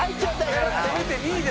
せめて２位で。